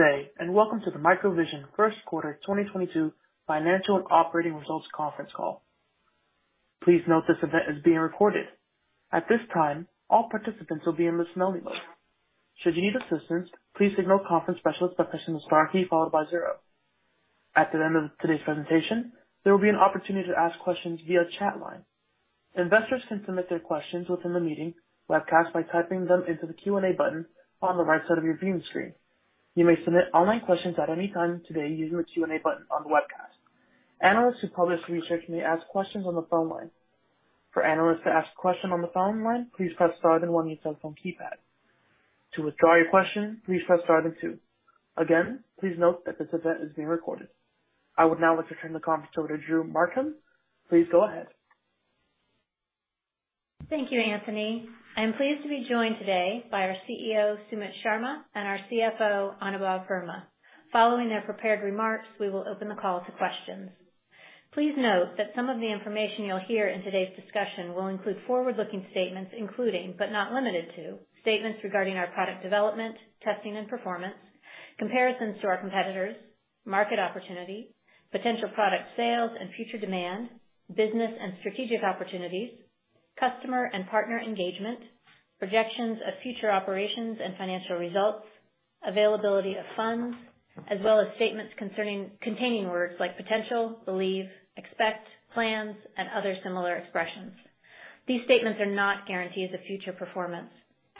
Good day, and welcome to the MicroVision first quarter 2022 financial and operating results conference call. Please note this event is being recorded. At this time, all participants will be in listen-only mode. Should you need assistance, please signal the conference specialist by pressing the star key followed by zero. At the end of today's presentation, there will be an opportunity to ask questions via chat line. Investors can submit their questions within the meeting webcast by typing them into the Q&A button on the right side of your viewing screen. You may submit online questions at any time today using the Q&A button on the webcast. Analysts who publish research may ask questions on the phone line. For analysts to ask a question on the phone line, please press star then one on your cell phone keypad. To withdraw your question, please press star then two. Again, please note that this event is being recorded. I would now like to turn the conference over to Drew Markham. Please go ahead. Thank you, Anthony. I'm pleased to be joined today by our CEO, Sumit Sharma, and our CFO, Anubhav Verma. Following their prepared remarks, we will open the call to questions. Please note that some of the information you'll hear in today's discussion will include forward-looking statements, including, but not limited to, statements regarding our product development, testing and performance, comparisons to our competitors, market opportunity, potential product sales and future demand, business and strategic opportunities, customer and partner engagement, projections of future operations and financial results, availability of funds, as well as statements concerning, containing words like potential, believe, expect, plans, and other similar expressions. These statements are not guarantees of future performance.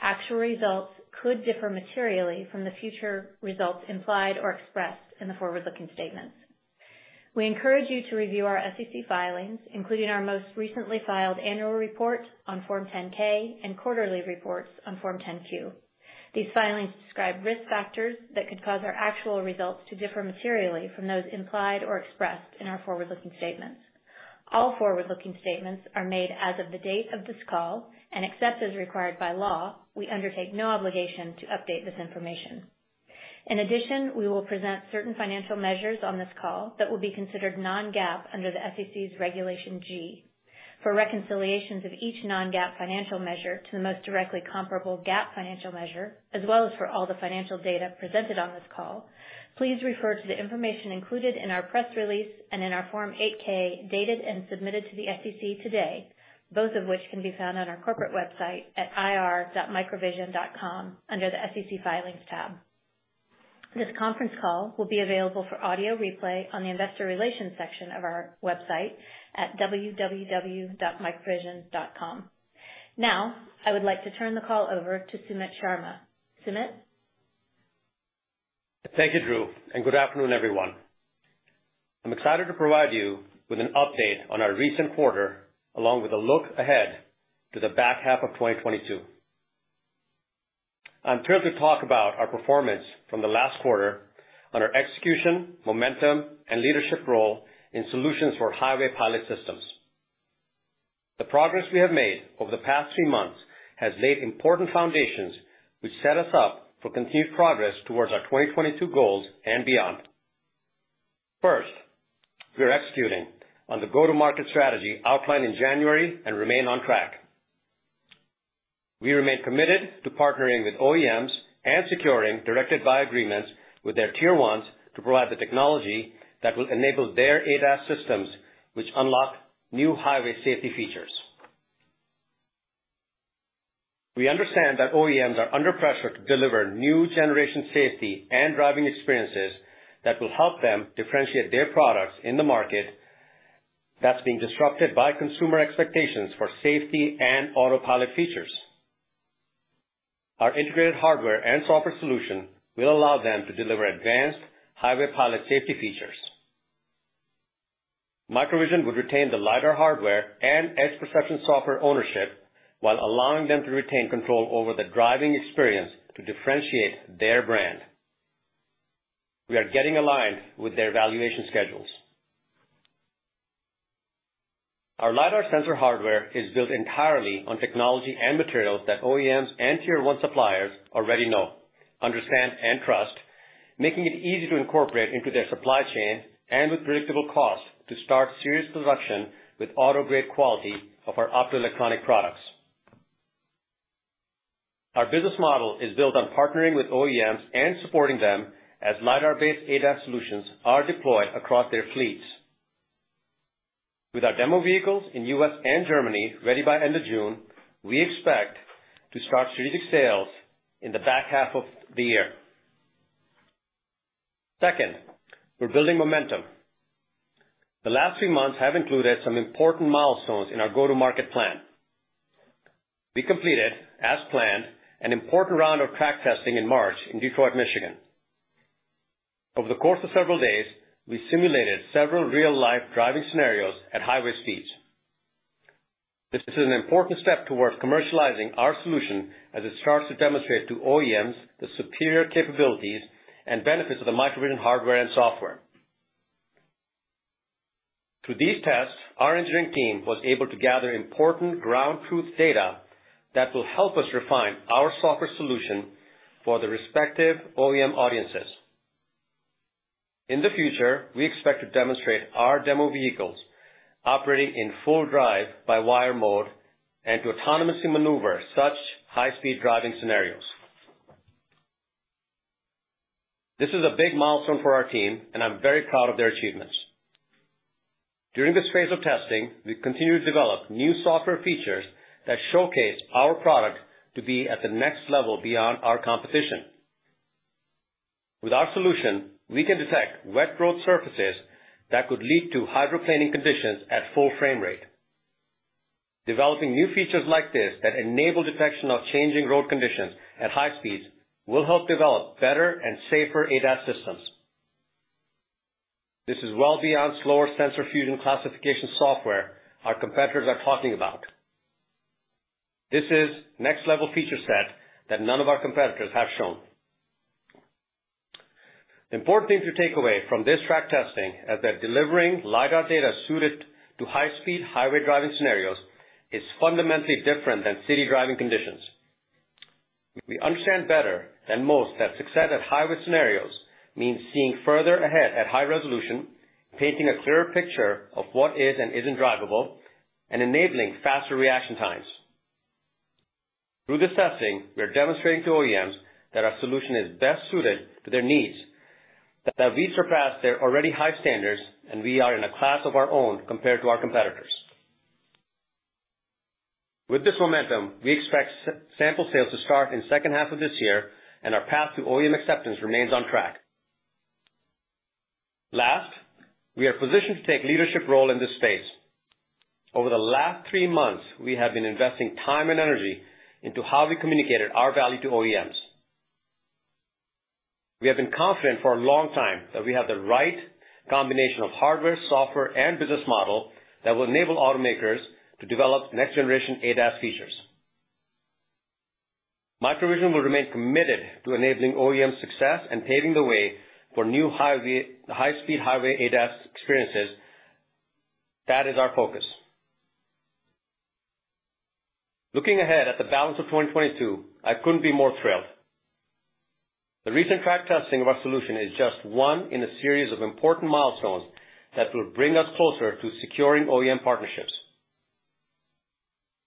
Actual results could differ materially from the future results implied or expressed in the forward-looking statements. We encourage you to review our SEC filings, including our most recently filed annual report on Form 10-K and quarterly reports on Form 10-Q. These filings describe risk factors that could cause our actual results to differ materially from those implied or expressed in our forward-looking statements. All forward-looking statements are made as of the date of this call, and except as required by law, we undertake no obligation to update this information. In addition, we will present certain financial measures on this call that will be considered non-GAAP under the SEC's Regulation G. For reconciliations of each non-GAAP financial measure to the most directly comparable GAAP financial measure, as well as for all the financial data presented on this call, please refer to the information included in our press release and in our Form 8-K dated and submitted to the SEC today, both of which can be found on our corporate website at ir.microvision.com under the SEC Filings tab. This conference call will be available for audio replay on the investor relations section of our website at www.microvision.com. Now, I would like to turn the call over to Sumit Sharma. Sumit? Thank you, Drew, and good afternoon, everyone. I'm excited to provide you with an update on our recent quarter, along with a look ahead to the back half of 2022. I'm thrilled to talk about our performance from the last quarter on our execution, momentum, and leadership role in solutions for highway pilot systems. The progress we have made over the past three months has laid important foundations which set us up for continued progress towards our 2022 goals and beyond. First, we are executing on the go-to-market strategy outlined in January and remain on track. We remain committed to partnering with OEMs and securing directed buy agreements with their Tier ones to provide the technology that will enable their ADAS systems, which unlock new highway safety features. We understand that OEMs are under pressure to deliver new generation safety and driving experiences that will help them differentiate their products in the market that's being disrupted by consumer expectations for safety and autopilot features. Our integrated hardware and software solution will allow them to deliver advanced highway pilot safety features. MicroVision would retain the lidar hardware and edge perception software ownership while allowing them to retain control over the driving experience to differentiate their brand. We are getting aligned with their valuation schedules. Our lidar sensor hardware is built entirely on technology and materials that OEMs and Tier one suppliers already know, understand, and trust, making it easy to incorporate into their supply chain and with predictable costs to start serious production with auto-grade quality of our optoelectronic products. Our business model is built on partnering with OEMs and supporting them as lidar-based ADAS solutions are deployed across their fleets. With our demo vehicles in U.S. and Germany ready by end of June, we expect to start strategic sales in the back half of the year. Second, we're building momentum. The last three months have included some important milestones in our go-to-market plan. We completed, as planned, an important round of track testing in March in Detroit, Michigan. Over the course of several days, we simulated several real-life driving scenarios at highway speeds. This is an important step towards commercializing our solution as it starts to demonstrate to OEMs the superior capabilities and benefits of the MicroVision hardware and software. Through these tests, our engineering team was able to gather important ground truth data that will help us refine our software solution for the respective OEM audiences. In the future, we expect to demonstrate our demo vehicles operating in full drive-by-wire mode and to autonomously maneuver such high-speed driving scenarios. This is a big milestone for our team, and I'm very proud of their achievements. During this phase of testing, we've continued to develop new software features that showcase our product to be at the next level beyond our competition. With our solution, we can detect wet road surfaces that could lead to hydroplaning conditions at full frame rate. Developing new features like this that enable detection of changing road conditions at high speeds will help develop better and safer ADAS systems. This is well beyond slower sensor fusion classification software our competitors are talking about. This is next level feature set that none of our competitors have shown. Important thing to take away from this track testing is that delivering lidar data suited to high-speed highway driving scenarios is fundamentally different than city driving conditions. We understand better than most that success at highway scenarios means seeing further ahead at high resolution, painting a clearer picture of what is and isn't drivable, and enabling faster reaction times. Through this testing, we are demonstrating to OEMs that our solution is best suited to their needs, that we surpass their already high standards, and we are in a class of our own compared to our competitors. With this momentum, we expect A-sample sales to start in second half of this year, and our path to OEM acceptance remains on track. Last, we are positioned to take leadership role in this space. Over the last three months, we have been investing time and energy into how we communicated our value to OEMs. We have been confident for a long time that we have the right combination of hardware, software, and business model that will enable automakers to develop next generation ADAS features. MicroVision will remain committed to enabling OEM success and paving the way for new highway, high-speed highway ADAS experiences. That is our focus. Looking ahead at the balance of 2022, I couldn't be more thrilled. The recent track testing of our solution is just one in a series of important milestones that will bring us closer to securing OEM partnerships.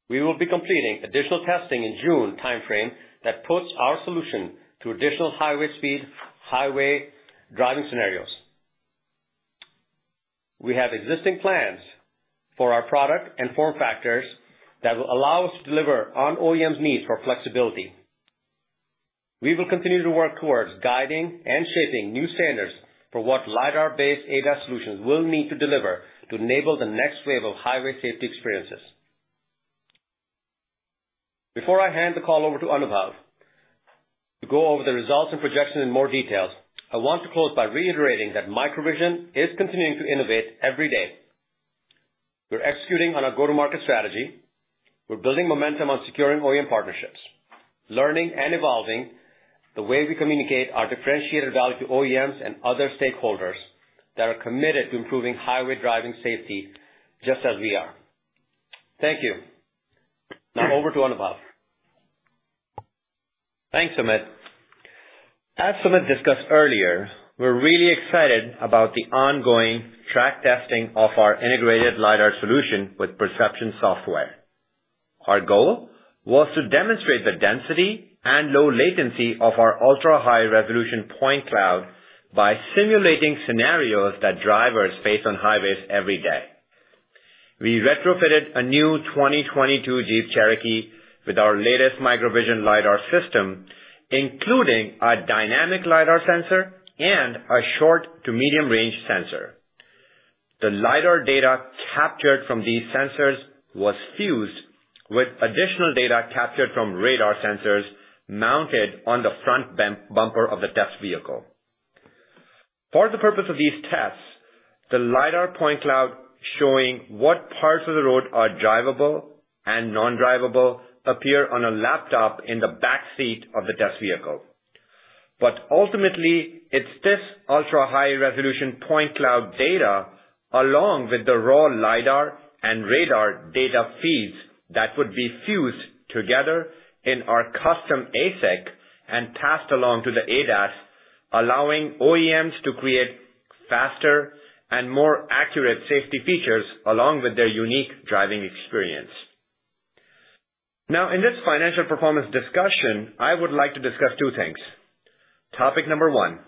We will be completing additional testing in June timeframe that puts our solution to additional highway speed, highway driving scenarios. We have existing plans for our product and form factors that will allow us to deliver on OEMs' need for flexibility. We will continue to work towards guiding and shaping new standards for what lidar-based ADAS solutions will need to deliver to enable the next wave of highway safety experiences. Before I hand the call over to Anubhav to go over the results and projection in more details, I want to close by reiterating that MicroVision is continuing to innovate every day. We're executing on our go-to-market strategy. We're building momentum on securing OEM partnerships, learning and evolving the way we communicate our differentiated value to OEMs and other stakeholders that are committed to improving highway driving safety, just as we are. Thank you. Now over to Anubhav. Thanks, Sumit. As Sumit discussed earlier, we're really excited about the ongoing track testing of our integrated lidar solution with perception software. Our goal was to demonstrate the density and low latency of our ultra-high resolution point cloud by simulating scenarios that drivers face on highways every day. We retrofitted a new 2022 Jeep Cherokee with our latest MicroVision lidar system, including a dynamic lidar sensor and a short- to medium-range sensor. The lidar data captured from these sensors was fused with additional data captured from radar sensors mounted on the front bumper of the test vehicle. For the purpose of these tests, the lidar point cloud showing what parts of the road are drivable and non-drivable appear on a laptop in the back seat of the test vehicle. Ultimately, it's this ultra-high resolution point cloud data, along with the raw lidar and radar data feeds that would be fused together in our custom ASIC and passed along to the ADAS, allowing OEMs to create faster and more accurate safety features along with their unique driving experience. Now in this financial performance discussion, I would like to discuss two things. Topic number one,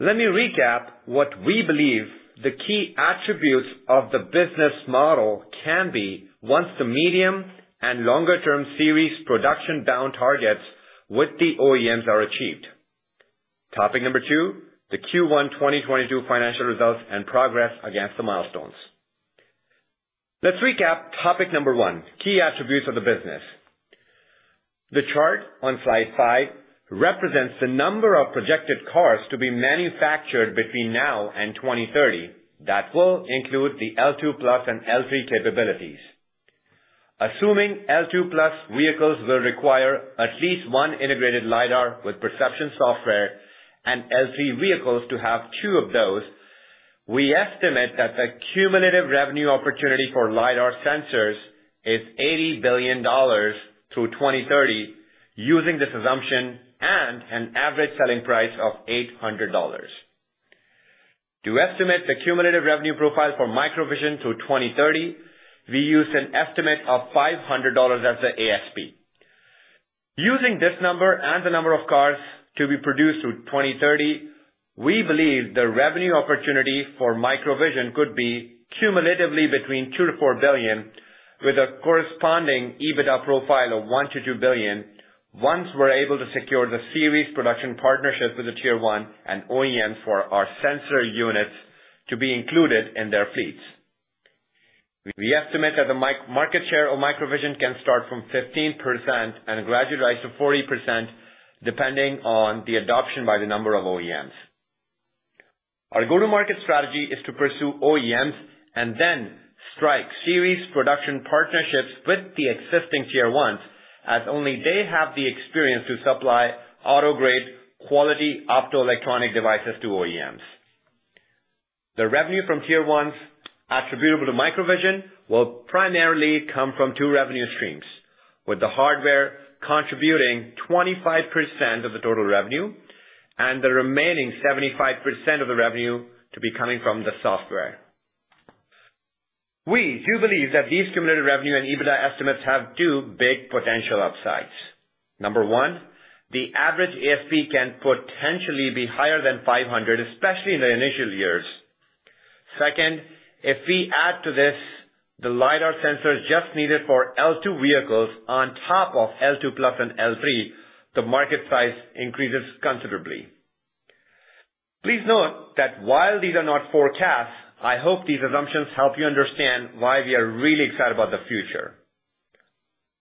let me recap what we believe the key attributes of the business model can be once the medium- and longer-term series production downstream targets with the OEMs are achieved. Topic number two, the Q1 2022 financial results and progress against the milestones. Let's recap topic number one, key attributes of the business. The chart on slide five represents the number of projected cars to be manufactured between now and 2030 that will include the L2+ and L3 capabilities. Assuming L2+ vehicles will require at least one integrated lidar with perception software and L3 vehicles to have two of those. We estimate that the cumulative revenue opportunity for lidar sensors is $80 billion through 2030 using this assumption and an average selling price of $800. To estimate the cumulative revenue profile for MicroVision through 2030, we use an estimate of $500 as the ASP. Using this number and the number of cars to be produced through 2030, we believe the revenue opportunity for MicroVision could be cumulatively between $2-$4 billion, with a corresponding EBITDA profile of $1-$2 billion once we're able to secure the series production partnerships with the Tier one and OEMs for our sensor units to be included in their fleets. We estimate that the mid-market share of MicroVision can start from 15% and gradually rise to 40%, depending on the adoption by the number of OEMs. Our go-to-market strategy is to pursue OEMs and then strike series production partnerships with the existing Tier ones, as only they have the experience to supply auto-grade quality optoelectronic devices to OEMs. The revenue from Tier ones attributable to MicroVision will primarily come from two revenue streams, with the hardware contributing 25% of the total revenue and the remaining 75% of the revenue to be coming from the software. We do believe that these cumulative revenue and EBITDA estimates have two big potential upsides. Number one, the average ASP can potentially be higher than 500, especially in the initial years. Second, if we add to this, the LIDAR sensors just needed for L2 vehicles on top of L2+ and L3, the market size increases considerably. Please note that while these are not forecasts, I hope these assumptions help you understand why we are really excited about the future.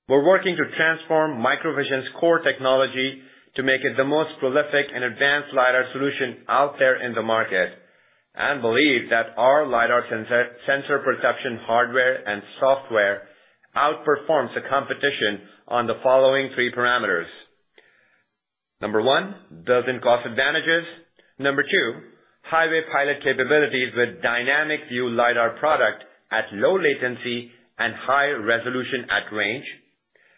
We're working to transform MicroVision's core technology to make it the most prolific and advanced LiDAR solution out there in the market and believe that our LiDAR sensor perception hardware and software outperform the competition on the following three parameters. Number one, design cost advantages. Number two, highway pilot capabilities with Dynamic View LiDAR product at low latency and high resolution at range.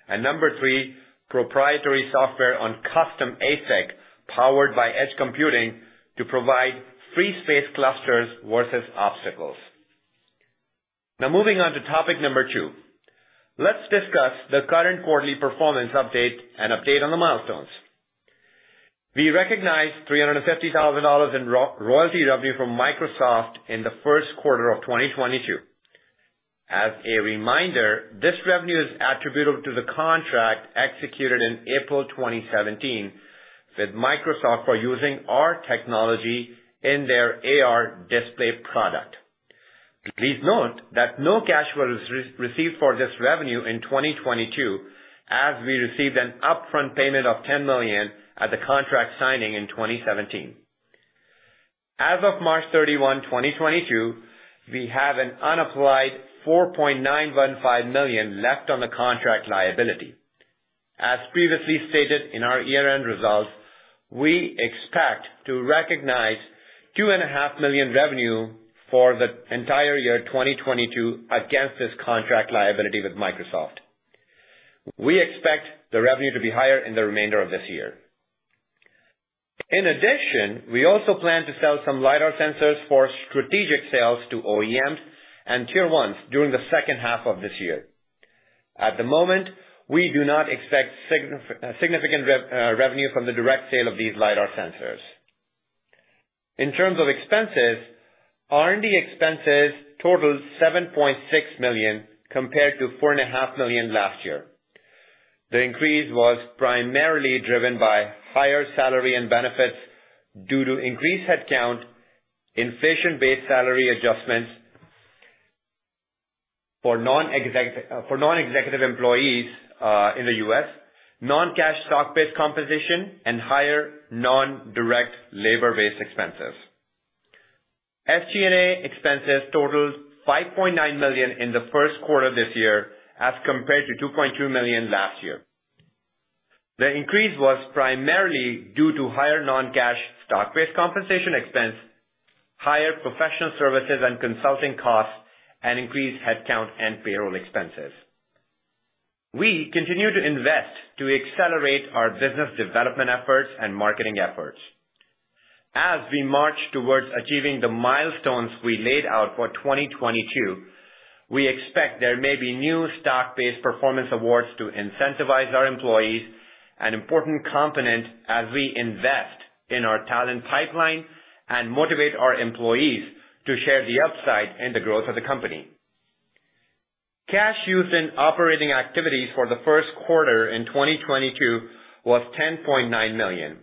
Number three, proprietary software on custom ASIC powered by edge computing to provide free space clusters versus obstacles. Now moving on to topic number two. Let's discuss the current quarterly performance update and update on the milestones. We recognized $350,000 in royalty revenue from Microsoft in the first quarter of 2022. As a reminder, this revenue is attributable to the contract executed in April 2017 with Microsoft for using our technology in their AR display product. Please note that no cash was received for this revenue in 2022, as we received an upfront payment of $10 million at the contract signing in 2017. As of March 31, 2022, we have an unapplied $4.915 million left on the contract liability. As previously stated in our year-end results, we expect to recognize $2.5 million revenue for the entire year 2022 against this contract liability with Microsoft. We expect the revenue to be higher in the remainder of this year. In addition, we also plan to sell some lidar sensors for strategic sales to OEMs and Tier ones during the second half of this year. At the moment, we do not expect significant revenue from the direct sale of these lidar sensors. In terms of expenses, R&D expenses totaled $7.6 million compared to $4.5 million last year. The increase was primarily driven by higher salary and benefits due to increased headcount, inflation-based salary adjustments for non-executive employees in the U.S., non-cash stock-based compensation, and higher non-direct labor-based expenses. SG&A expenses totaled $5.9 million in the first quarter this year as compared to $2.2 million last year. The increase was primarily due to higher non-cash stock-based compensation expense, higher professional services and consulting costs, and increased headcount and payroll expenses. We continue to invest to accelerate our business development efforts and marketing efforts. As we march towards achieving the milestones we laid out for 2022, we expect there may be new stock-based performance awards to incentivize our employees, an important component as we invest in our talent pipeline and motivate our employees to share the upside in the growth of the company. Cash used in operating activities for the first quarter in 2022 was $10.9 million.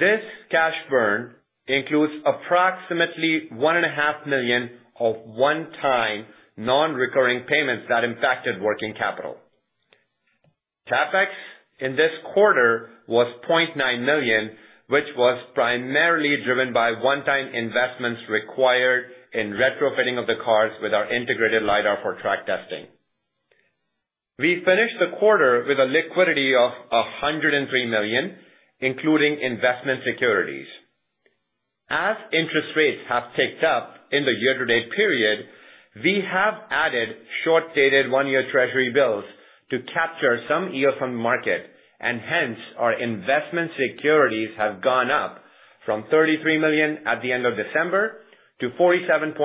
This cash burn includes approximately $1.5 million of one-time non-recurring payments that impacted working capital. CapEx in this quarter was $0.9 million, which was primarily driven by one-time investments required in retrofitting of the cars with our integrated lidar for track testing. We finished the quarter with a liquidity of $103 million, including investment securities. As interest rates have ticked up in the year-to-date period, we have added short-dated one-year Treasury bills to capture some yield from the market, and hence, our investment securities have gone up from $33 million at the end of December to $47.6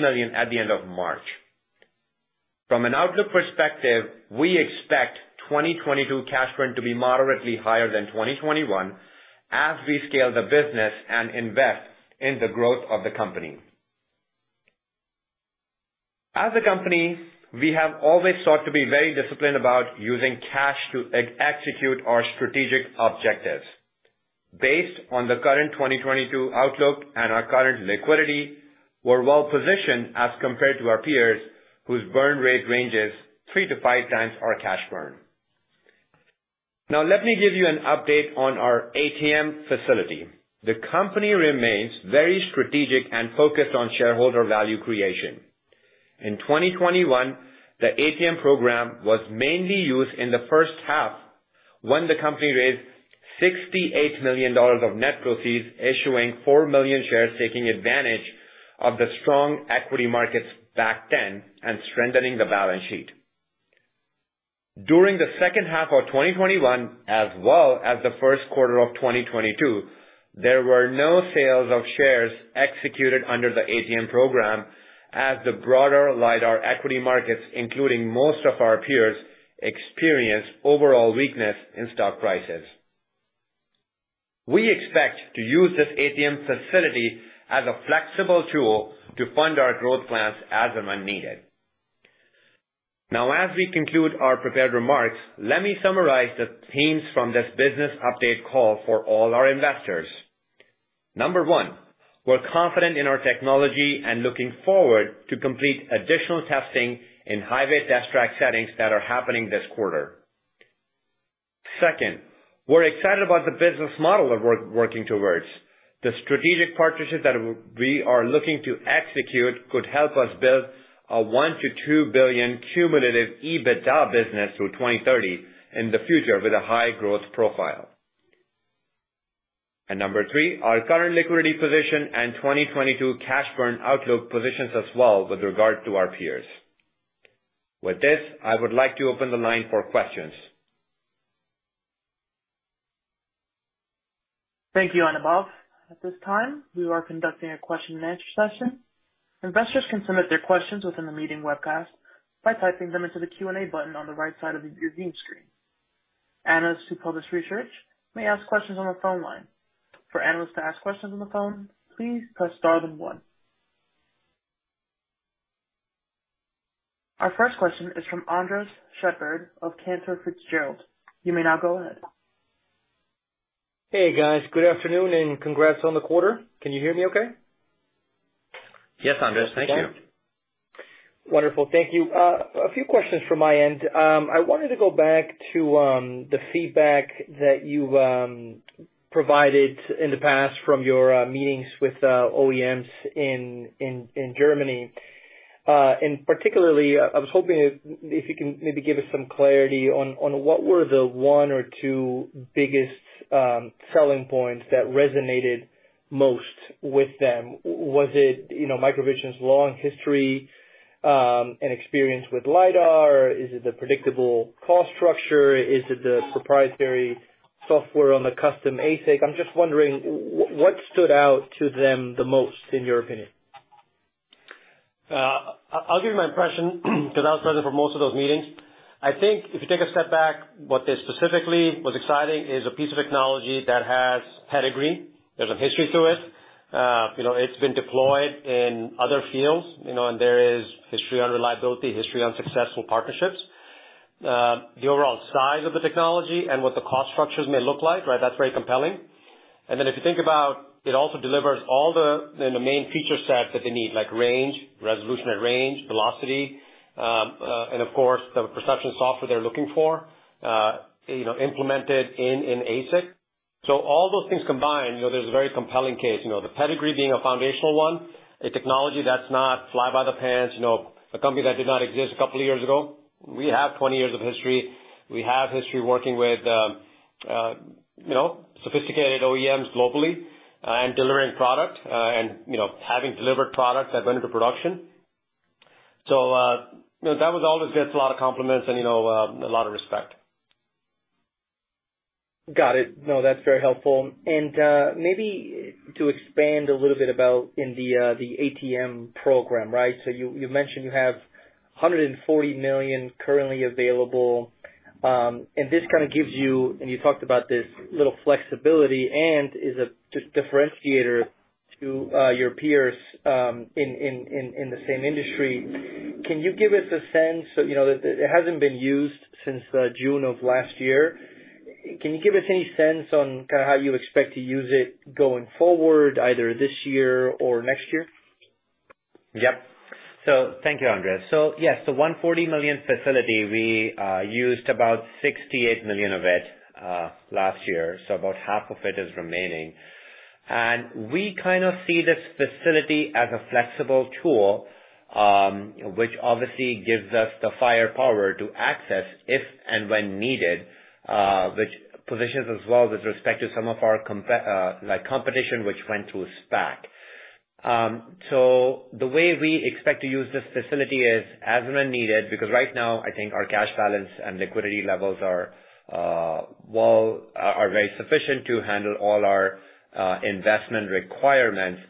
million at the end of March. From an outlook perspective, we expect 2022 cash burn to be moderately higher than 2021 as we scale the business and invest in the growth of the company. As a company, we have always sought to be very disciplined about using cash to execute our strategic objectives. Based on the current 2022 outlook and our current liquidity, we're well positioned as compared to our peers, whose burn rate ranges 3x-5x our cash burn. Now, let me give you an update on our ATM facility. The company remains very strategic and focused on shareholder value creation. In 2021, the ATM program was mainly used in the first half when the company raised $68 million of net proceeds, issuing 4 million shares, taking advantage of the strong equity markets back then and strengthening the balance sheet. During the second half of 2021, as well as the first quarter of 2022, there were no sales of shares executed under the ATM program as the broader lidar equity markets, including most of our peers, experienced overall weakness in stock prices. We expect to use this ATM facility as a flexible tool to fund our growth plans as and when needed. Now, as we conclude our prepared remarks, let me summarize the themes from this business update call for all our investors. Number one, we're confident in our technology and looking forward to complete additional testing in highway test track settings that are happening this quarter. Second, we're excited about the business model we're working towards. The strategic partnerships that we are looking to execute could help us build a $1 billion-$2 billion cumulative EBITDA business through 2030 in the future with a high growth profile. Number three, our current liquidity position and 2022 cash burn outlook positions us well with regard to our peers. With this, I would like to open the line for questions. Thank you, Anubhav. At this time, we are conducting a question-and-answer session. Investors can submit their questions within the meeting webcast by typing them into the Q&A button on the right side of your Zoom screen. Analysts who cover this research may ask questions on the phone line. For analysts to ask questions on the phone, please press star then one. Our first question is from Andres Sheppard of Cantor Fitzgerald. You may now go ahead. Hey, guys. Good afternoon, and congrats on the quarter. Can you hear me okay? Yes, Andres. Thank you. Wonderful. Thank you. A few questions from my end. I wanted to go back to the feedback that you provided in the past from your meetings with OEMs in Germany. Particularly, I was hoping if you can maybe give us some clarity on what were the one or two biggest selling points that resonated most with them. Was it, you know, MicroVision's long history and experience with lidar? Is it the predictable cost structure? Is it the proprietary software on the custom ASIC? I'm just wondering what stood out to them the most, in your opinion? I'll give you my impression because I was present for most of those meetings. I think if you take a step back, what they specifically was exciting is a piece of technology that has pedigree. There's a history to it. You know, it's been deployed in other fields, you know, and there is history on reliability, history on successful partnerships. The overall size of the technology and what the cost structures may look like, right? That's very compelling. If you think about it also delivers all the, you know, main feature set that they need, like range, resolution and range, velocity, and of course, the perception software they're looking for, you know, implemented in ASIC. All those things combined, you know, there's a very compelling case. You know, the pedigree being a foundational one, a technology that's not fly-by-the-pants, you know, a company that did not exist a couple of years ago. We have 20 years of history. We have history working with, you know, sophisticated OEMs globally, and delivering product, and, you know, having delivered products that went into production. You know, that was all just a lot of compliments and, you know, a lot of respect. Got it. No, that's very helpful. Maybe to expand a little bit about the ATM program, right? You mentioned you have $140 million currently available, and this kind of gives you, and you talked about this, little flexibility and is a differentiator to your peers in the same industry. Can you give us a sense, you know, it hasn't been used since June of last year. Can you give us any sense on kind of how you expect to use it going forward, either this year or next year? Yep. Thank you, Andres. Yes, the $140 million facility, we used about $68 million of it last year, so about half of it is remaining. We kind of see this facility as a flexible tool, which obviously gives us the firepower to access if and when needed, which positions us well with respect to some of our competition which went through a SPAC. The way we expect to use this facility is as and when needed, because right now I think our cash balance and liquidity levels are very sufficient to handle all our investment requirements.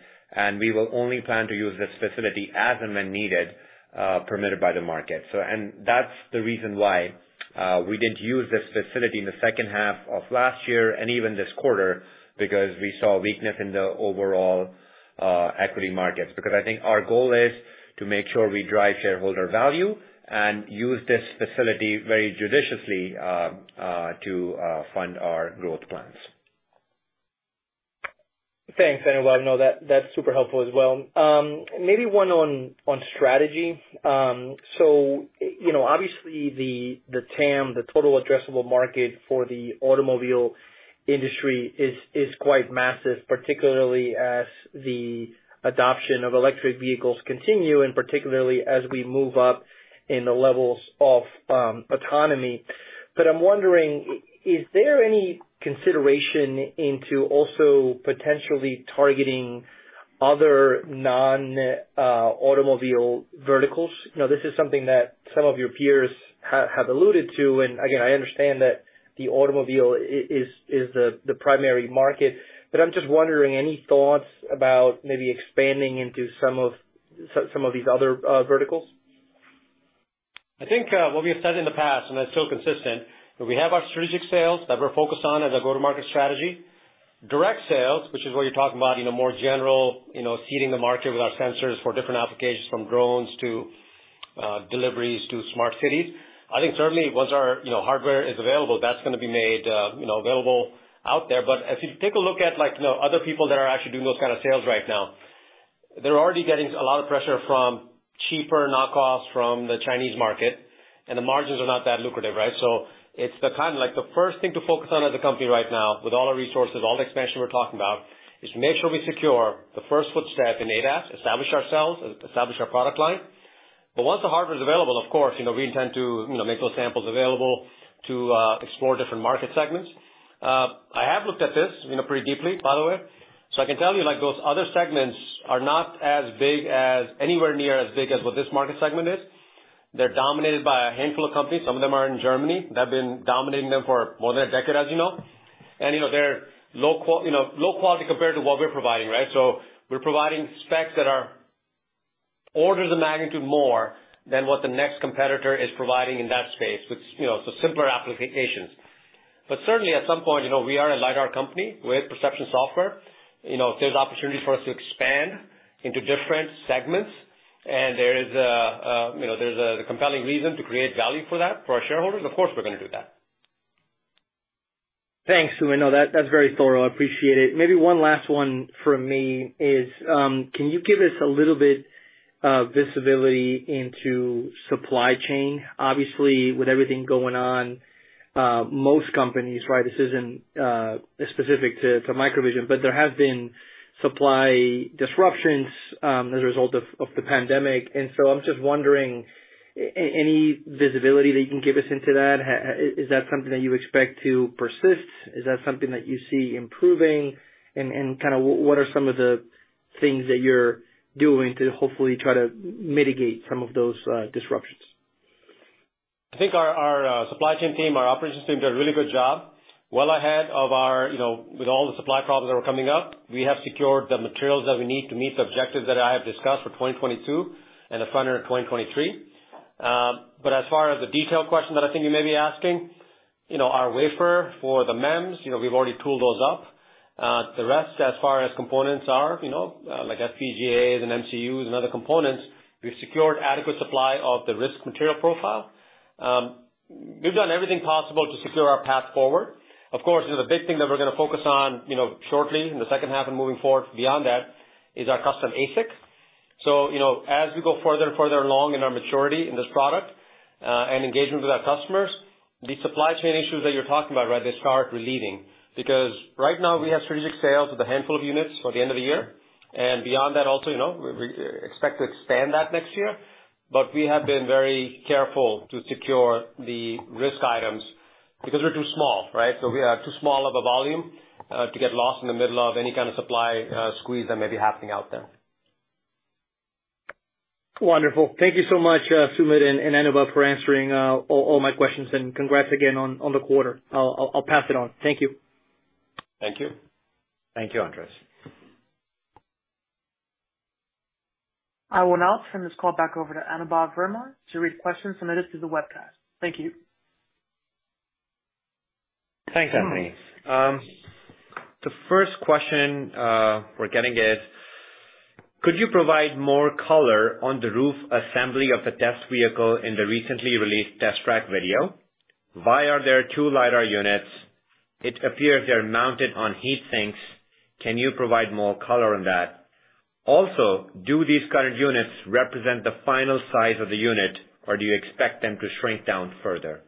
We will only plan to use this facility as and when needed, permitted by the market. That's the reason why we didn't use this facility in the second half of last year and even this quarter because we saw weakness in the overall equity markets. Because I think our goal is to make sure we drive shareholder value and use this facility very judiciously to fund our growth plans. Thanks, Anubhav. No, that's super helpful as well. Maybe one on strategy. So, you know, obviously the TAM, the total addressable market for the automobile industry is quite massive, particularly as the adoption of electric vehicles continue, and particularly as we move up in the levels of autonomy. I'm wondering, is there any consideration into also potentially targeting other non-automobile verticals? You know, this is something that some of your peers have alluded to. Again, I understand that the automobile is the primary market. I'm just wondering, any thoughts about maybe expanding into some of these other verticals? I think what we have said in the past, and that's still consistent, we have our strategic sales that we're focused on as a go-to-market strategy. Direct sales, which is what you're talking about, you know, more general, you know, seeding the market with our sensors for different applications from drones to deliveries to smart cities. I think certainly once our, you know, hardware is available, that's gonna be made, you know, available out there. If you take a look at like, you know, other people that are actually doing those kinds of sales right now, they're already getting a lot of pressure from cheaper knockoffs from the Chinese market, and the margins are not that lucrative, right? It's the kind of like the first thing to focus on as a company right now with all our resources, all the expansion we're talking about is make sure we secure the first footstep in ADAS, establish ourselves, establish our product line. Once the hardware is available, of course, you know, we intend to, you know, make those samples available to explore different market segments. I have looked at this, you know, pretty deeply, by the way. I can tell you like those other segments are not as big as, anywhere near as big as what this market segment is. They're dominated by a handful of companies. Some of them are in Germany. They've been dominating them for more than a decade, as you know. You know, they're low quality compared to what we're providing, right? We're providing specs that are orders of magnitude more than what the next competitor is providing in that space with, you know, so simpler applications. Certainly, at some point, you know, we are a lidar company. We have perception software. You know, if there's opportunity for us to expand into different segments and there is a, you know, there's a compelling reason to create value for that for our shareholders, of course, we're gonna do that. Thanks, Sumit. No, that's very thorough. I appreciate it. Maybe one last one from me is, can you give us a little bit of visibility into supply chain? Obviously with everything going on, most companies, right, this isn't specific to MicroVision, but there have been supply disruptions as a result of the pandemic. I'm just wondering, any visibility that you can give us into that? Is that something that you expect to persist? Is that something that you see improving? And kind of what are some of the things that you're doing to hopefully try to mitigate some of those disruptions? I think our supply chain team, our operations team did a really good job. Well ahead of our, you know, with all the supply problems that were coming up, we have secured the materials that we need to meet the objectives that I have discussed for 2022 and the front end of 2023. As far as the detailed question that I think you may be asking, you know, our wafer for the MEMS, you know, we've already tooled those up. The rest, as far as components are, you know, like FPGAs and MCUs and other components, we've secured adequate supply of the risk material profile. We've done everything possible to secure our path forward. Of course, you know, the big thing that we're gonna focus on, you know, shortly in the second half and moving forward beyond that is our custom ASIC. You know, as we go further and further along in our maturity in this product and engagement with our customers, the supply chain issues that you're talking about, right, they start relieving. Right now we have strategic sales with a handful of units for the end of the year. Beyond that also, you know, we expect to expand that next year. We have been very careful to secure the risk items because we're too small, right? We are too small of a volume to get lost in the middle of any kind of supply squeeze that may be happening out there. Wonderful. Thank you so much, Sumit and Anubhav for answering all my questions. Congrats again on the quarter. I'll pass it on. Thank you. Thank you. Thank you, Andres. I will now turn this call back over to Anubhav Verma to read questions submitted through the webcast. Thank you. Thanks, Anthony. The first question we're getting is, could you provide more color on the roof assembly of the test vehicle in the recently released test track video? Why are there two lidar units? It appears they're mounted on heat sinks. Can you provide more color on that? Also, do these kind of units represent the final size of the unit, or do you expect them to shrink down further?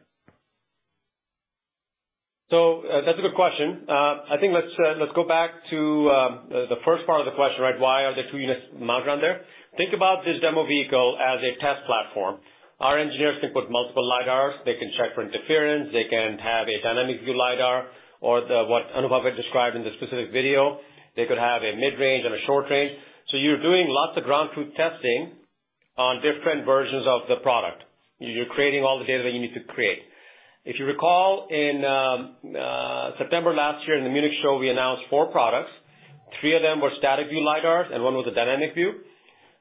That's a good question. I think let's go back to the first part of the question, right? Why are there two units mounted on there? Think about this demo vehicle as a test platform. Our engineers can put multiple lidars. They can check for interference. They can have a dynamic view lidar or what Anubhav had described in the specific video. They could have a mid-range and a short range. You're doing lots of ground truth testing on different versions of the product. You're creating all the data that you need to create. If you recall, in September last year in the Munich show, we announced four products. Three of them were static view lidars and one was a dynamic view.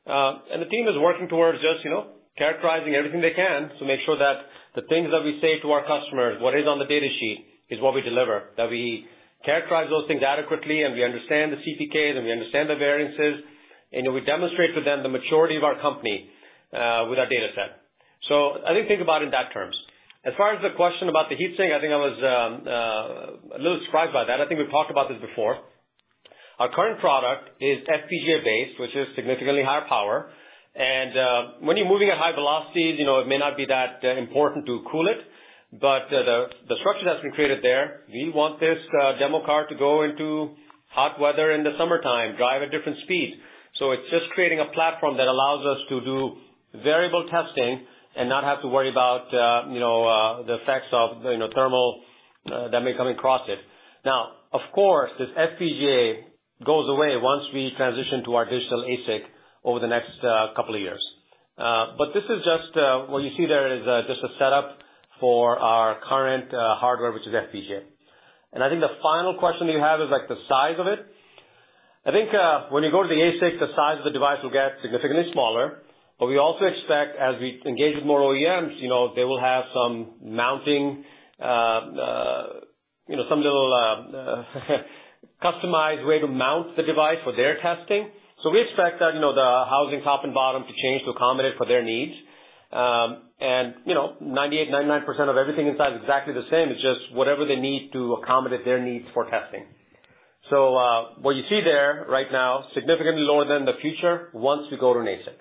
The team is working towards just, you know, characterizing everything they can to make sure that the things that we say to our customers, what is on the data sheet is what we deliver. We characterize those things adequately, and we understand the CPKs, and we understand the variances. We demonstrate to them the maturity of our company with our data set. I think about it in those terms. As far as the question about the heat sink, I think I was a little surprised by that. I think we've talked about this before. Our current product is FPGA-based, which is significantly higher power. When you're moving at high velocities, you know, it may not be that important to cool it, but the structure that's been created there, we want this demo car to go into hot weather in the summertime, drive at different speeds. It's just creating a platform that allows us to do variable testing and not have to worry about, you know, the effects of, you know, thermal, that may come across it. Now, of course, this FPGA goes away once we transition to our digital ASIC over the next couple of years. This is just what you see there is just a setup for our current hardware, which is FPGA. I think the final question you have is, like, the size of it. I think when you go to the ASIC, the size of the device will get significantly smaller. We also expect, as we engage with more OEMs, you know, they will have some mounting, you know, some little customized way to mount the device for their testing. We expect that, you know, the housing top and bottom to change to accommodate for their needs. You know, 98-99% of everything inside is exactly the same. It's just whatever they need to accommodate their needs for testing. What you see there right now, significantly lower than the future once we go to an ASIC.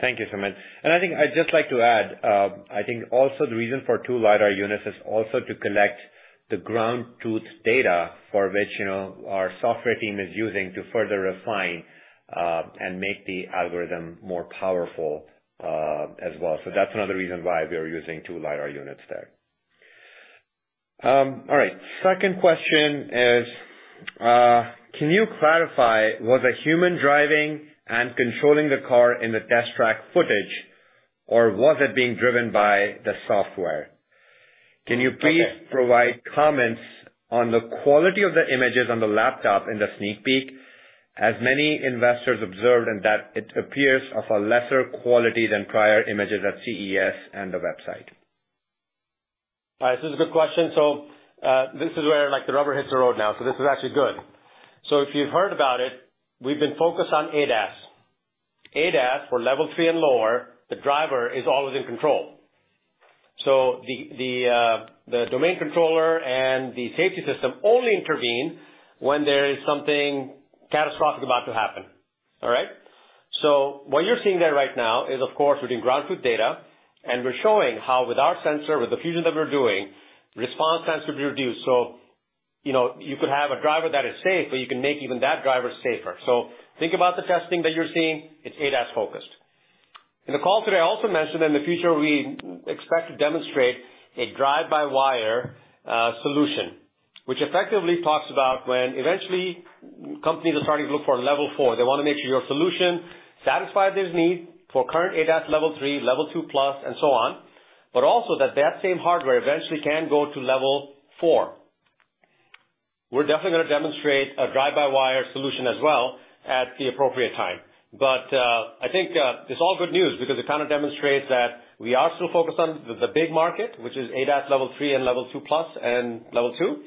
Thank you, Sumit. I think I'd just like to add, I think also the reason for two lidar units is also to collect the ground truth data for which, you know, our software team is using to further refine, and make the algorithm more powerful, as well. That's another reason why we are using two lidar units there. All right. Second question is, can you clarify, was a human driving and controlling the car in the test track footage, or was it being driven by the software? Okay. Can you please provide comments on the quality of the images on the laptop in the sneak peek, as many investors observed and that it appears of a lesser quality than prior images at CES and the website? All right. This is a good question. This is where, like, the rubber hits the road now, this is actually good. If you've heard about it, we've been focused on ADAS. ADAS for level three and lower, the driver is always in control. The domain controller and the safety system only intervene when there is something catastrophic about to happen. All right. What you're seeing there right now is, of course, we're doing ground truth data, and we're showing how with our sensor, with the fusion that we're doing, response times will be reduced. You know, you could have a driver that is safe, but you can make even that driver safer. Think about the testing that you're seeing. It's ADAS focused. In the call today, I also mentioned in the future we expect to demonstrate a drive-by-wire solution, which effectively talks about when eventually companies are starting to look for level four. They wanna make sure your solution satisfies this need for current ADAS level three, level two plus, and so on, but also that that same hardware eventually can go to level four. We're definitely gonna demonstrate a drive-by-wire solution as well at the appropriate time. I think it's all good news because it kind of demonstrates that we are still focused on the big market, which is ADAS level three and level two plus and level two.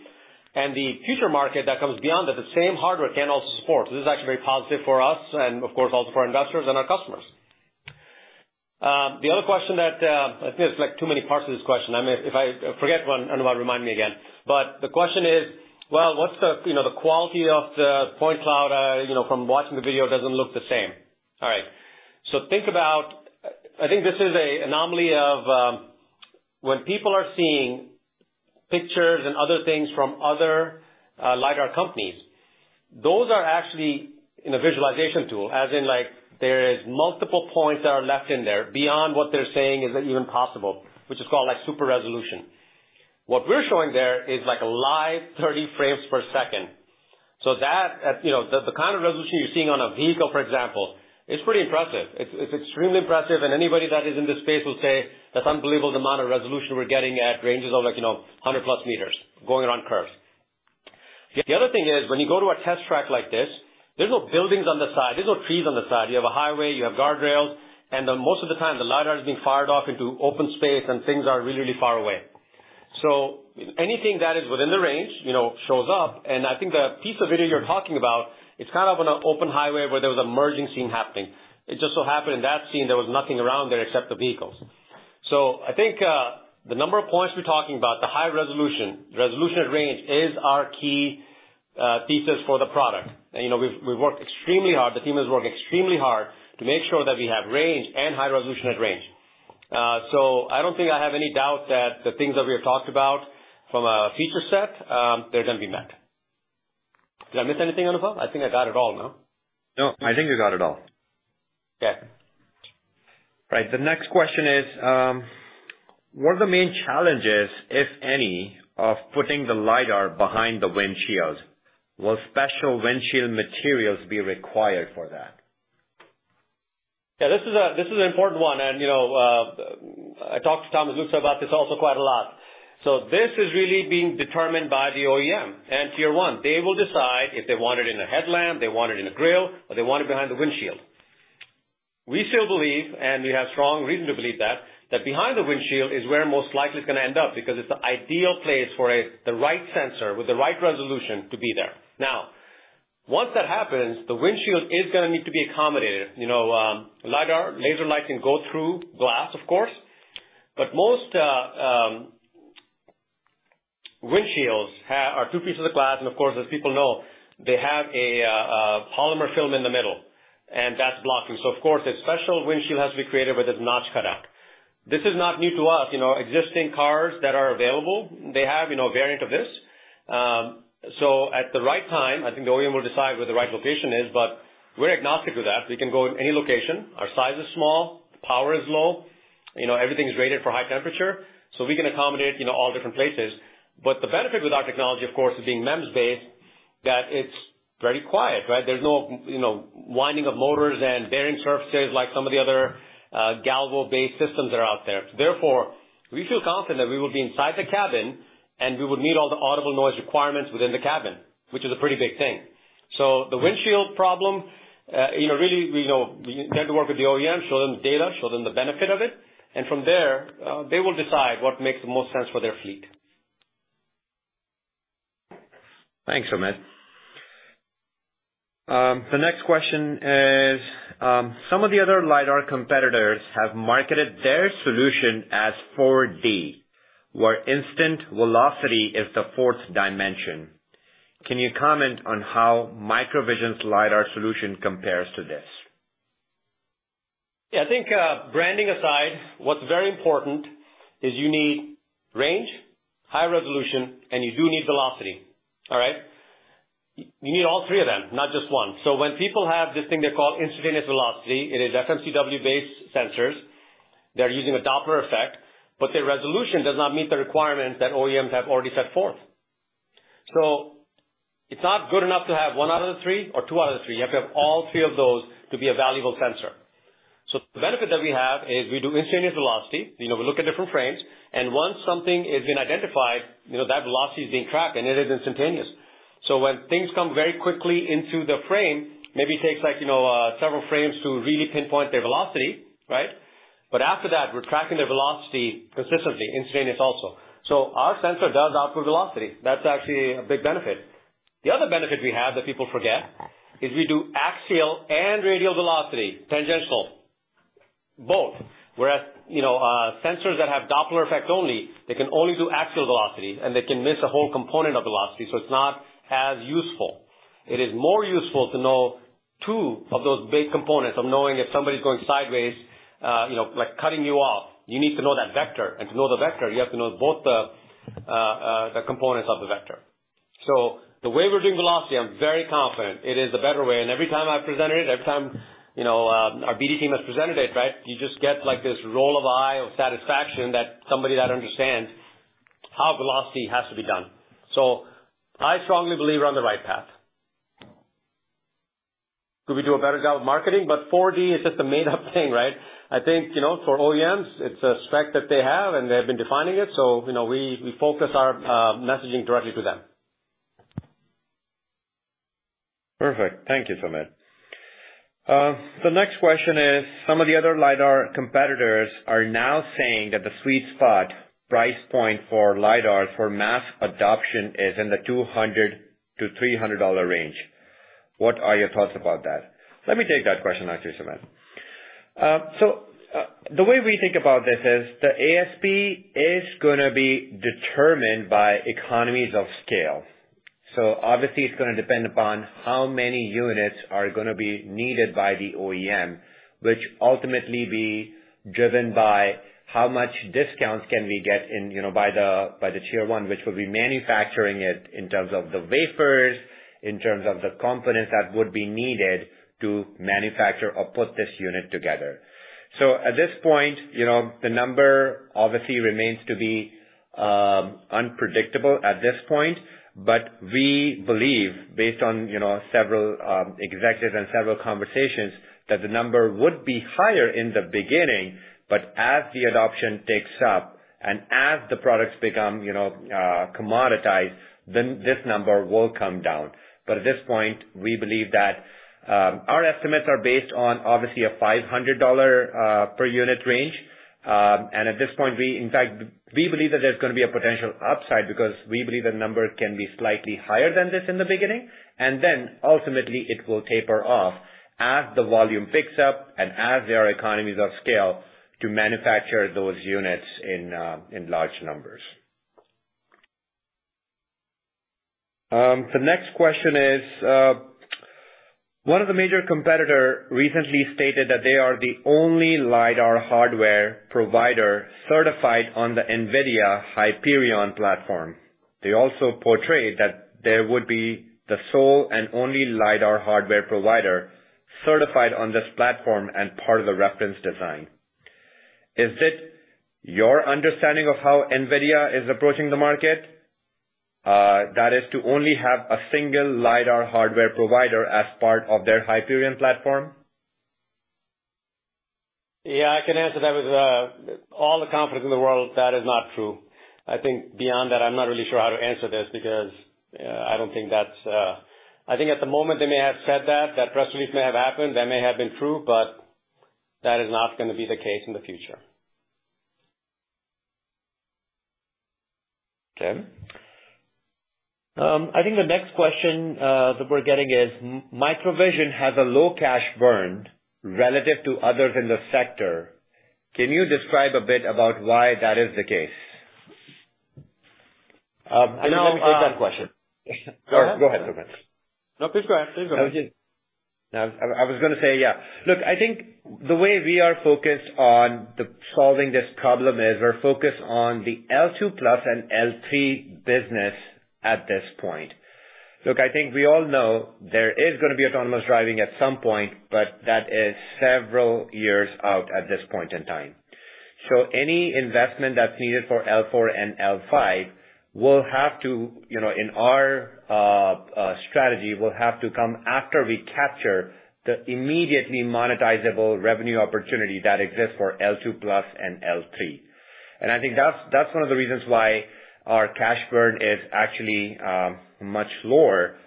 The future market that comes beyond that, the same hardware can also support. This is actually very positive for us and of course also for our investors and our customers. The other question that... I think it's like too many parts of this question. I mean, if I forget one, Anubhav remind me again. The question is, well, what's the, you know, the quality of the point cloud? You know, from watching the video, it doesn't look the same. All right. I think this is an anomaly of, when people are seeing pictures and other things from other, lidar companies, those are actually in a visualization tool, as in, like, there is multiple points that are left in there beyond what they're saying is even possible, which is called, like, super-resolution. What we're showing there is, like, a live 30 frames per second. That at, you know, the kind of resolution you're seeing on a vehicle, for example, is pretty impressive. It's extremely impressive, and anybody that is in this space will say that's unbelievable the amount of resolution we're getting at ranges of like, you know, 100+ meters going around curves. The other thing is, when you go to a test track like this, there's no buildings on the side. There's no trees on the side. You have a highway. You have guardrails. Most of the time, the lidar is being fired off into open space and things are really, really far away. Anything that is within the range, you know, shows up. I think the piece of video you're talking about; it's kind of on an open highway where there was a merging scene happening. It just so happened in that scene; there was nothing around there except the vehicles. I think the number of points we're talking about; the high resolution and range is our key thesis for the product. You know, we've worked extremely hard. The team has worked extremely hard to make sure that we have range and high-resolution at range. I don't think I have any doubt that the things that we have talked about from a feature set, they're gonna be met. Did I miss anything, Anubhav? I think I got it all, no? No, I think you got it all. Yeah. Right. The next question is, what are the main challenges, if any, of putting the lidar behind the windshields? Will special windshield materials be required for that? Yeah, this is an important one. You know, I talked to [Tom Luce] about this also quite a lot. This is really being determined by the OEM and Tier one. They will decide if they want it in a headlamp, they want it in a grill, or they want it behind the windshield. We still believe, and we have strong reason to believe that behind the windshield is where most likely it's gonna end up because it's the ideal place for the right sensor with the right resolution to be there. Now, once that happens, the windshield is gonna need to be accommodated. You know, lidar, laser light can go through glass of course, but most windshields are two pieces of glass and of course, as people know, they have a polymer film in the middle and that's blocking. Of course, a special windshield has to be created with this notch cut out. This is not new to us. You know, existing cars that are available, they have, you know, a variant of this. At the right time, I think the OEM will decide what the right location is, but we're agnostic to that. We can go in any location. Our size is small, power is low. You know, everything is rated for high temperature, so we can accommodate, you know, all different places. The benefit with our technology, of course, is being MEMS-based, that it's very quiet, right? There's no, you know, winding of motors and bearing surfaces like some of the other galvo-based systems that are out there. Therefore, we feel confident we will be inside the cabin and we will meet all the audible noise requirements within the cabin, which is a pretty big thing. The windshield problem, you know, really, you know, we get to work with the OEM, show them data, show them the benefit of it, and from there, they will decide what makes the most sense for their fleet. Thanks, Sumit. The next question is, some of the other lidar competitors have marketed their solution as 4D, where instant velocity is the fourth dimension. Can you comment on how MicroVision's lidar solution compares to this? Yeah. I think, branding aside, what's very important is you need range, high resolution, and you do need velocity. All right? You need all three of them, not just one. When people have this thing they call instantaneous velocity, it is FMCW-based sensors. They're using a Doppler effect, but their resolution does not meet the requirements that OEMs have already set forth. It's not good enough to have one out of the three or two out of the three. You have to have all three of those to be a valuable sensor. The benefit that we have is we do instantaneous velocity. You know, we look at different frames, and once something has been identified, you know, that velocity is being tracked and it is instantaneous. When things come very quickly into the frame, maybe it takes like, you know, several frames to really pinpoint their velocity, right? After that, we're tracking their velocity consistently, instantaneous also. Our sensor does offer velocity. That's actually a big benefit. The other benefit we have that people forget is we do axial and radial velocity, tangential, both. Whereas, you know, sensors that have Doppler effect only, they can only do axial velocity and they can miss a whole component of velocity, so it's not as useful. It is more useful to know two of those big components of knowing if somebody's going sideways, you know, like cutting you off. You need to know that vector. To know the vector, you have to know both the components of the vector. The way we're doing velocity, I'm very confident it is the better way. Every time I've presented it, you know, our BD team has presented it, right? You just get like this roll of the eye of satisfaction that somebody that understands how velocity has to be done. I strongly believe we're on the right path. Could we do a better job of marketing? 4D is just a made up thing, right? I think, you know, for OEMs, it's a spec that they have and they've been defining it, so, you know, we focus our messaging directly to them. Perfect. Thank you, Sumit. The next question is, some of the other lidar competitors are now saying that the sweet spot price point for lidar for mass adoption is in the $200-$300 range. What are your thoughts about that? Let me take that question back to you, Sumit. The way we think about this is the ASP is gonna be determined by economies of scale. Obviously it's gonna depend upon how many units are gonna be needed by the OEM, which ultimately be driven by how much discounts can we get in, you know, by the, by the Tier one, which will be manufacturing it in terms of the wafers, in terms of the components that would be needed to manufacture or put this unit together. At this point, you know, the number obviously remains to be unpredictable at this point. We believe based on, you know, several executives and several conversations, that the number would be higher in the beginning, but as the adoption takes up and as the products become, you know, commoditized, then this number will come down. At this point, we believe that our estimates are based on obviously a $500 per unit range. At this point, we in fact believe that there's gonna be a potential upside because we believe the number can be slightly higher than this in the beginning, and then ultimately it will taper off as the volume picks up and as there are economies of scale to manufacture those units in large numbers. The next question is one of the major competitors recently stated that they are the only lidar hardware provider certified on the DRIVE Hyperion platform. They also portrayed that they would be the sole and only lidar hardware provider certified on this platform and part of the reference design. Is it your understanding of how NVIDIA is approaching the market that is to only have a single lidar hardware provider as part of their DRIVE Hyperion platform? Yeah, I can answer that with all the confidence in the world. That is not true. I think beyond that, I'm not really sure how to answer this because I don't think that's. I think at the moment they may have said that press release may have happened, that may have been true, but that is not gonna be the case in the future. Okay. I think the next question that we're getting is MicroVision has a low cash burn relative to others in the sector. Can you describe a bit about why that is the case? You know. Let me take that question. Go ahead, Sumit. No, please go ahead. I was gonna say, yeah. Look, I think the way we are focused on solving this problem is we're focused on the L2+ and L3 business at this point. Look, I think we all know there is gonna be autonomous driving at some point, but that is several years out at this point in time. So any investment that's needed for L4 and L5 will have to, you know, in our strategy, will have to come after we capture the immediately monetizable revenue opportunity that exists for L2+ and L3. I think that's one of the reasons why our cash burn is actually much lower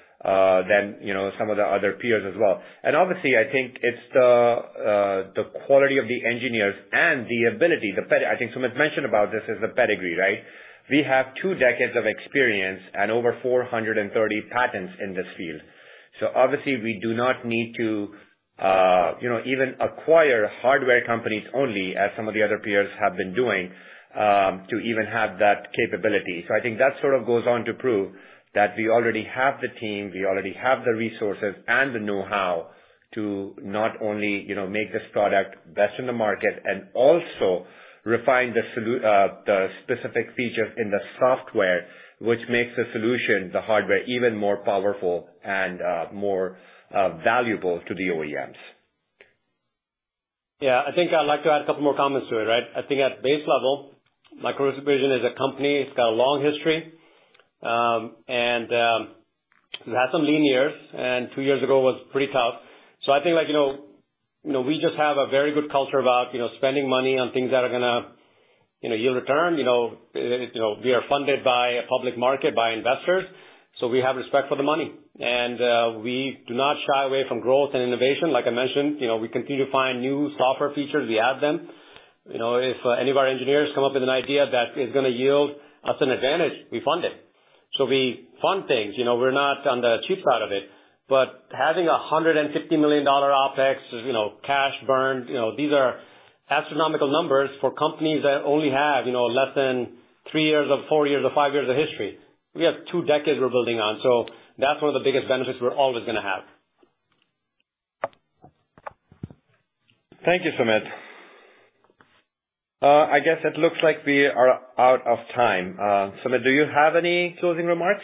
than, you know, some of the other peers as well. Obviously, I think it's the quality of the engineers and the ability, the pedigree, right? We have 2 decades of experience and over 430 patents in this field. Obviously we do not need to, you know, even acquire hardware companies only, as some of the other peers have been doing, to even have that capability. I think that sort of goes on to prove that we already have the team, we already have the resources and the know-how to not only, you know, make this product best in the market and also refine the specific features in the software, which makes the solution, the hardware, even more powerful and more valuable to the OEMs. Yeah. I think I'd like to add a couple more comments to it, right? I think at base level, MicroVision is a company. It's got a long history. We've had some lean years, and two years ago was pretty tough. I think, like, you know, we just have a very good culture about, you know, spending money on things that are gonna, you know, yield return. You know, we are funded by a public market, by investors, so we have respect for the money. We do not shy away from growth and innovation. Like I mentioned, you know, we continue to find new software features, we add them. You know, if any of our engineers come up with an idea that is gonna yield us an advantage, we fund it. We fund things. You know, we're not on the cheap side of it. Having $150 million OpEx is, you know, cash burn. You know, these are astronomical numbers for companies that only have, you know, less than three years or four years or five years of history. We have two decades we're building on, so that's one of the biggest benefits we're always gonna have. Thank you, Sumit. I guess it looks like we are out of time. Sumit, do you have any closing remarks?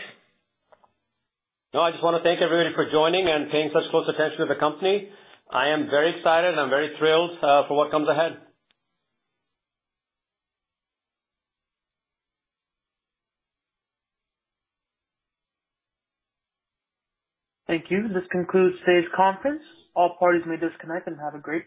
No, I just wanna thank everybody for joining and paying such close attention to the company. I am very excited. I'm very thrilled for what comes ahead. Thank you. This concludes today's conference. All parties may disconnect and have a great day.